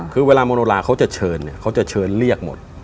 คือเวลามโนราเขาจะเชิญเนี่ยเขาจะเชิญเรียกหมด